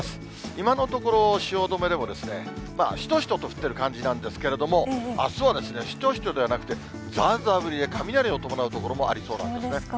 今のところ、汐留でもしとしとと降っている感じなんですけれども、あすはしとしとではなくて、ざーざー降りで、雷を伴う所もありそうなんですね。